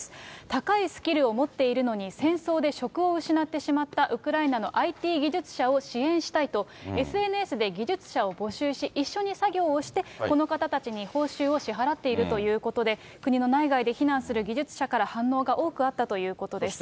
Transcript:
高いスキルを持っているのに戦争で職を失ってしまったウクライナのＩＴ技術者を支援したいと、ＳＮＳで技術者を募集し、一緒に作業をして、この方たちに報酬を支払っているということで、国の内外で避難する技術者から反応が多くあったということです。